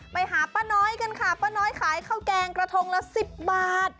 ไปหาป้าน้อยกันค่ะป้าน้อยขายข้าวแกงกระทงละ๑๐บาท